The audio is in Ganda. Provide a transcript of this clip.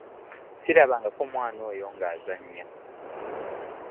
Sirabangako mwana oyo ng'azannya.